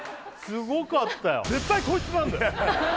すごかったよ